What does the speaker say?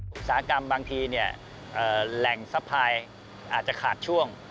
อุตสาหกรรมบางทีแหล่งสะพายอาจจะขาดช่วง